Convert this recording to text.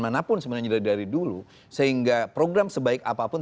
manapun sebenarnya dari dulu sehingga program sebaik apapun